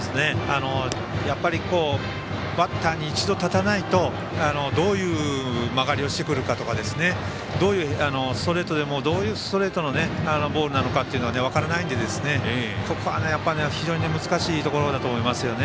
やっぱりバッターに一度、立たないとどういう曲がりをしてくるかとかストレートでもどういうボールなのかというのが分からないので、ここは非常に難しいところだと思います。